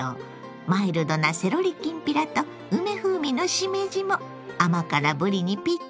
マイルドなセロリきんぴらと梅風味のしめじも甘辛ぶりにピッタリ！